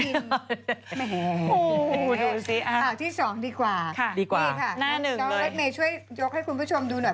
แม่ดูสิอ่ะที่สองดีกว่านี่ค่ะชาวเฮ็ดเมย์ช่วยยกให้คุณผู้ชมดูหน่อย